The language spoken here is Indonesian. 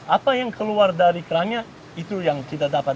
apa yang keluar dari kerannya itu yang kita dapat